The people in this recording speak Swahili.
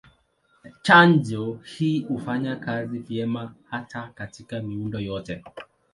Chanjo hii hufanya kazi vyema hata katika miundo yote.